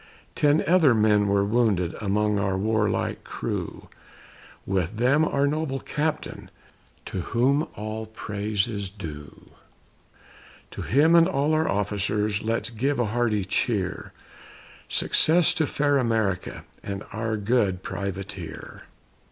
Ten other men were wounded Among our warlike crew, With them our noble captain, To whom all praise is due; To him and all our officers Let's give a hearty cheer; Success to fair America And our good privateer.